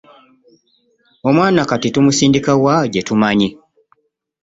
Omwana kati tumusindika wa gye tutamanyi?